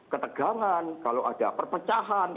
ketegangan kalau ada perpecahan